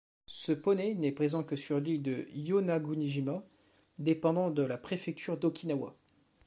Ce poney n'est présent que sur l'île de Yonaguni-jima, dépendant de la préfecture d'Okinawa.